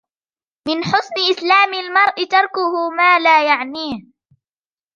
مِنْ حُسْنِ إسْلَامِ الْمَرْءِ تَرْكُهُ مَا لَا يَعْنِيهِ